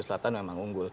selatan memang unggul